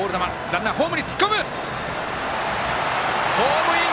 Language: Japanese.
ホームイン！